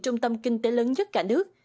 trung tâm kinh tế lớn nhất cả nước